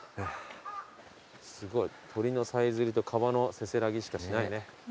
すごい鳥のさえずりと川のせせらぎしかしないね。